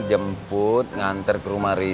jemput nganter ke rumah rizky